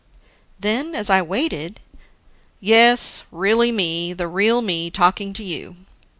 Then, as I waited, "Yes, really me, the real me talking to you.